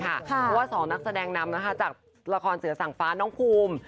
เพราะว่า๒นักแสดงนำจากละครเสือสั่งฟ้าน้องภูมิ